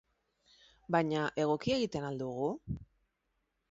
Baina, egoki egiten al dugu?